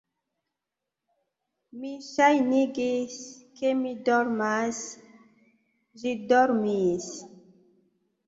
Mi ŝajnigis, ke mi dormas; ĝi dormis.